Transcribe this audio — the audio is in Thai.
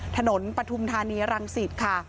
ถนนประทุมธานีรังสิทธิ์ค่ะ